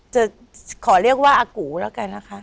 จะขอเรียกว่าอากูแล้วกันนะคะ